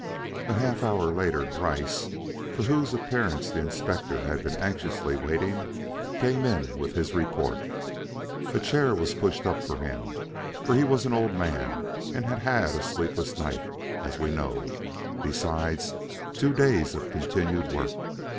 A half hour later, Gryce, for whose appearance the Inspector had been anxiously waiting, came in with his report. A chair was pushed up for him, for he was an old man and had had a sleepless night, as we know, besides two days of continued work.